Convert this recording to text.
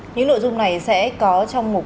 những nội dung này sẽ có trong một